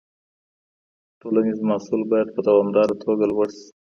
ټولنیز محصول باید په دوامداره توګه لوړ سي.